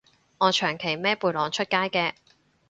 我長期孭背囊出街嘅